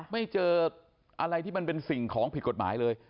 ไม่เจออะไรที่มันเป็นสิ่งของผิดกฎหมายเลย